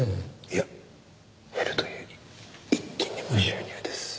いや減るというより一気に無収入です。